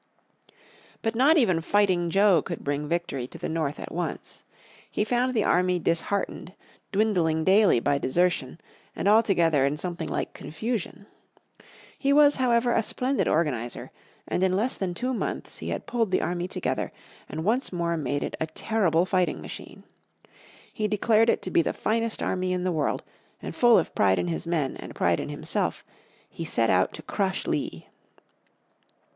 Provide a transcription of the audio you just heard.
But not even "Fighting Joe" could bring victory to the North at once. He found the army disheartened, dwindling daily by desertion, and altogether in something like confusion. He was, however, a splendid organiser, and in less than two months he had pulled the army together and once more made it a terrible fighting machine. He declared it to be the finest army in the world, and full of pride in his men, and pride in himself, he set out to crush Lee.